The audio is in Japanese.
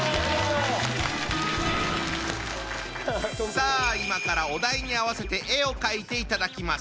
さあ今からお題に合わせて絵を描いていただきます。